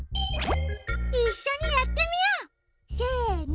いっしょにやってみよう！せの！